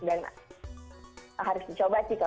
dan harus dicoba sih kalau dijajal